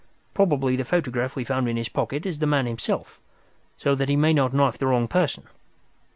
Probably the photograph we found in his pocket is the man himself, so that he may not knife the wrong person.